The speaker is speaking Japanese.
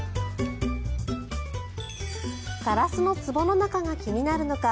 ガラスのつぼの中が気になるのか